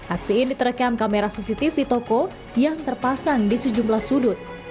aksi ini terekam kamera cctv toko yang terpasang di sejumlah sudut